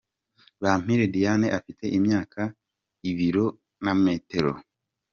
Bampire Diane afite imyaka , ibiro na metero .